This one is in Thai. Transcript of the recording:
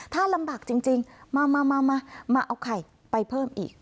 ถ้าลำบากจริงมาเอาไข่ไปเพิ่มอีก